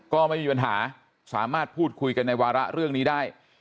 ก็ไม่มีปัญหาสามารถพูดคุยกันในวาระเรื่องนี้ได้